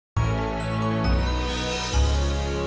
semoga dia sebaiknya menu nyaman